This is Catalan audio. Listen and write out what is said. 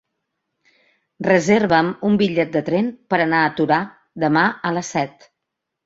Reserva'm un bitllet de tren per anar a Torà demà a les set.